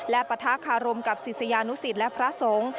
และปะทะคารมกับศิษยานุสิตและพระสงฆ์